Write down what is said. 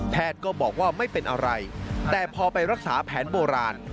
ก็บอกว่าไม่เป็นอะไรแต่พอไปรักษาแผนโบราณ